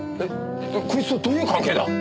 こいつとどういう関係だ？